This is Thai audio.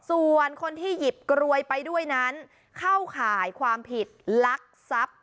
ส่วนคนที่หยิบกรวยไปด้วยนั้นเข้าข่ายความผิดลักทรัพย์